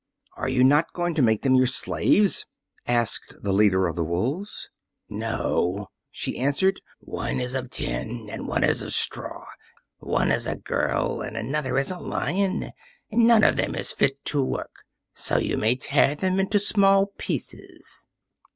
"Are you not going to make them your slaves?" asked the leader of the wolves. "No," she answered, "one is of tin, and one of straw; one is a girl and another a Lion. None of them is fit to work, so you may tear them into small pieces."